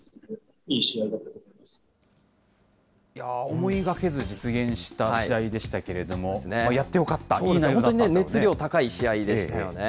思いがけず、実現した試合でしたけれども、やってよかった、本当に熱量高い、試合でしたよね。